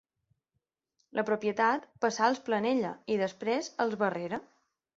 La propietat passà als Planella i després als Barrera.